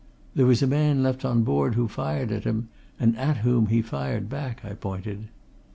"There was a man left on board who fired at him and at whom he fired back," I pointed.